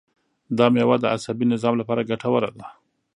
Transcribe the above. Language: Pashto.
دا مېوه د عصبي نظام لپاره ګټوره ده.